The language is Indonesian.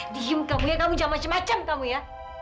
diam kamu ya kamu jangan macam macam kamu ya